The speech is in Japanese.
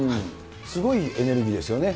すごいエネルギーですよね。